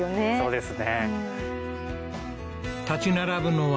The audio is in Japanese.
そうですね